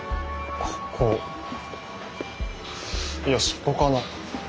ここいやそこかな。